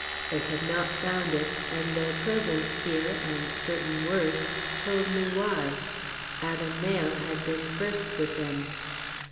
They had not found it, and their presence here, and certain words, told me why. Adam Mayle had been first with them.